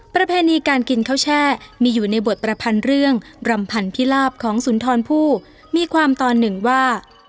ประเพณีการกินข้าวแช่มีอยู่ในบทประพันธ์เรื่องรำพันธิลาบของสุนทรผู้มีความตอนหนึ่งว่า